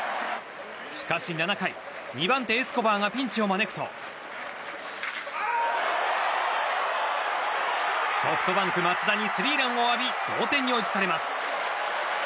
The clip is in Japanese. しかし７回２番手エスコバーがピンチを招くとソフトバンク松田にスリーランを浴び同点に追いつかれます。